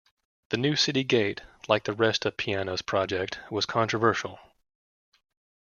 The new city gate, like the rest of Piano's project, was controversial.